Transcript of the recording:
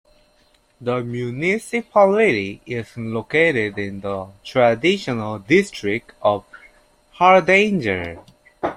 The municipality is located in the traditional district of Hardanger.